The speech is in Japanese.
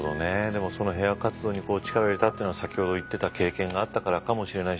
でもその平和活動に力を入れたってのは先ほど言ってた経験があったからかもしれないし。